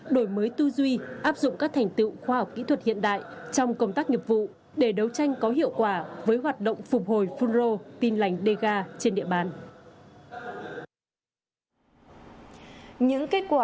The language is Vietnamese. đổi mới tu duy áp dụng các thành tựu khoa học kỹ thuật hiện đại trong công tác nghiệp vụ